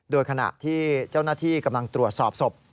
โดยขณะที่เจ้าหน้าที่กำลังตรวจสอบศพ